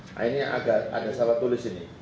nah ini ada surat tulis ini